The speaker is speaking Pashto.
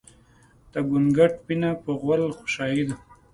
د ګونګټ مينه په غول غوشايه ده